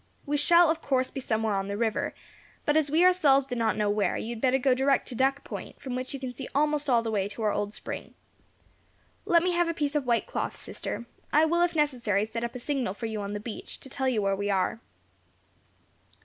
We shall, of course, be somewhere on the river; but as we ourselves do not know where, you had better go direct to Duck Point, from which you can see almost all the way to our old spring. Let me have a piece of white cloth, sister; I will, if necessary, set up a signal for you on the beach, to tell you where we are."